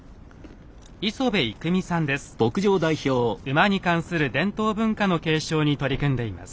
馬に関する伝統文化の継承に取り組んでいます。